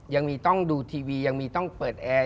ต้องดูทีวียังมีต้องเปิดแอร์